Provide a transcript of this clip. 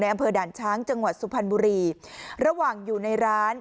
อำเภอด่านช้างจังหวัดสุพรรณบุรีระหว่างอยู่ในร้าน